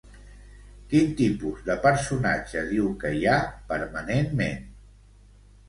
Quin tipus de personatge diu que hi ha, permanentment?